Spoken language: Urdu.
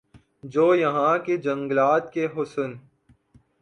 جو یہاں کے جنگلات کےحسن